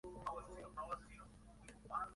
Jorge Madrazo es nombrado en su lugar.